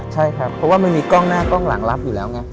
ใช่ครับเพราะว่ามันมีกล้องหน้ากล้องหลังรับอยู่แล้วไง